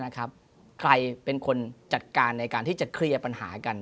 ใครเป็นคนจัดการในการที่จะเคลียร์ปัญหากัน